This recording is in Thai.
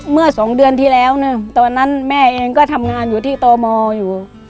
เมื่อสองเดือนที่แล้วนะตอนนั้นแม่เองก็ทำงานอยู่ที่ตมอยู่